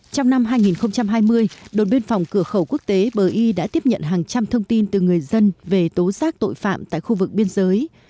trong năm hai nghìn hai mươi đồn biên phòng cửa khẩu quốc tế bờ y đã tiếp nhận hàng trăm thông tin từ người dân về tố giác tội phạm tại khu vực biên giới